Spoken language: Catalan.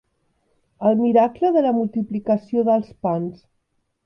El miracle de la multiplicació dels pans.